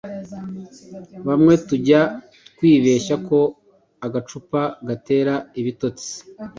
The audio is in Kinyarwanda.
Bamwe tujya twibeshya ko agacupa gatera ibitotsi